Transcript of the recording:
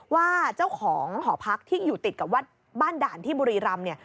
ว่าเจ้าของหอพักที่อยู่ติดกับวัดบ้านด่านที่บุรีรำ